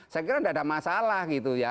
saya kira tidak ada masalah gitu ya